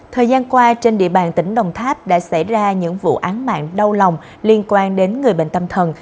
thời gian qua trên địa bàn tỉnh đồng tháp đã xảy ra những vụ án mạng đau lòng liên quan đến người bệnh tâm thần